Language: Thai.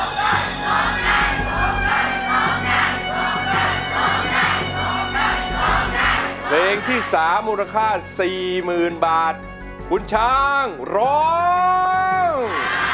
เพลงที่๓มูลค่า๔๐๐๐บาทคุณช้างร้อง